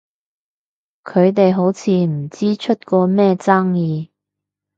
佢哋好似唔知出過咩爭議？